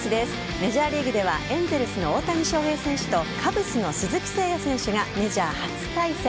メジャーリーグではエンゼルスの大谷翔平選手とカブスの鈴木誠也選手がメジャー初対戦。